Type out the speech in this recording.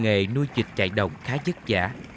nghệ nuôi dịch chạy đồng khá dứt dã